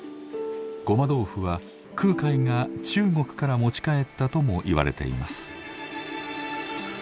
ごま豆腐は空海が中国から持ち帰ったともいわれています。